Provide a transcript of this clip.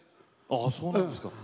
ああそうなんですか。